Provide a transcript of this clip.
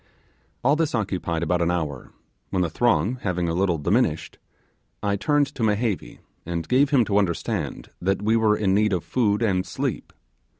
All this occupied about an hour, when the throng having a little diminished, I turned to Mehevi and gave him to understand that we were in need of food and sleep.